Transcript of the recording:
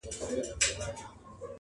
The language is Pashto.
قاسم یار جوړ له دې څلور ټکو جمله یمه زه.